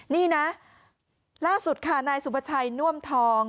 นี่นะล่าสุดค่ะนายสุภาชัยน่วมทอง